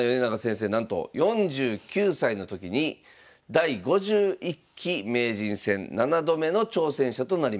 なんと４９歳の時に第５１期名人戦７度目の挑戦者となりました。